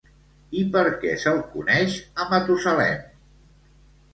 I per què se'l coneix, a Matusalem?